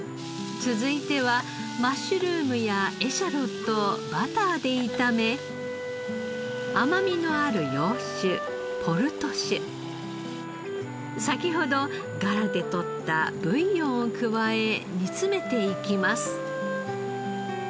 続いてはマッシュルームやエシャロットをバターで炒め甘みのある洋酒ポルト酒先ほどガラで取ったブイヨンを加え煮詰めていきます。